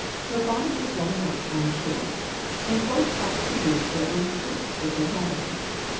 Her bonnet is well enough, I'm sure ; and folks like to use their own tastes, if they have any.